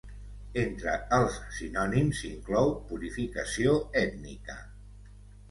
Entre els sinònims s'inclou "purificació ètnica".